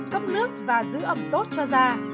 cấp nước và giữ ẩm tốt cho da